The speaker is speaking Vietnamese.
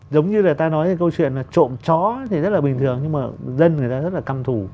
giống như người ta nói cái câu chuyện là trộm chó thì rất là bình thường nhưng mà dân người ta rất là căm thủ